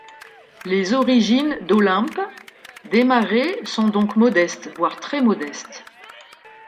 Les origines d'Olympe Démarez sont donc modestes, voire très modestes.